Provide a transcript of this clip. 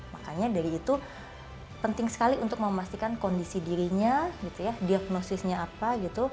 makanya dari itu penting sekali untuk memastikan kondisi dirinya diagnosisnya apa